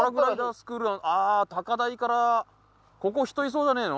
スクールああ高台からここ人いそうじゃねえの？